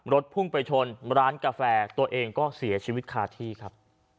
พุ่งไปชนร้านกาแฟตัวเองก็เสียชีวิตคาที่ครับ